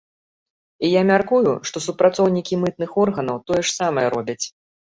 І я мяркую, што супрацоўнікі мытных органаў тое ж самае робяць.